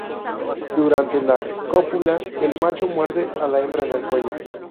Durante la cópula, el macho muerde a la hembra en el cuello.